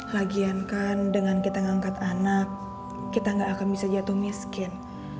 lagian kan dengan kita ngangkat anak kita gak akan bisa jatuh miskin